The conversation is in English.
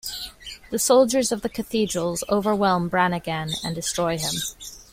The soldiers of the Cathedrals overwhelm Brannigan and destroy him.